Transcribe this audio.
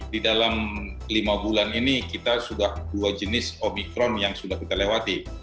di dalam lima bulan ini kita sudah dua jenis omikron yang sudah kita lewati